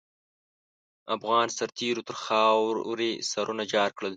افغان سرتېرو تر خاروې سرونه جار کړل.